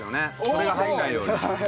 それが入らないように。